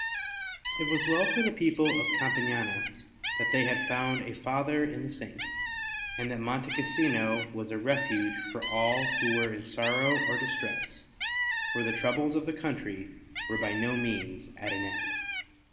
It was well for the people of Campania that they had found a father in the Saint, and that Monte Cassino was a refuge for all who were in sorrow or distress, for the troubles of the country were by no means at an end.